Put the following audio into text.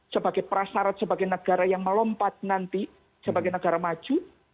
sebagai prasarat sebagai negara yang melompat nanti sebagai negara maju